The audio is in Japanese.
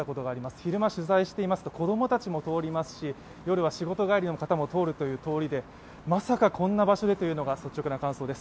昼間取材していますと子供たちも通りますし夜は仕事帰りの方も通るという通りでまさかこんな場所で、というのが率直な感想です。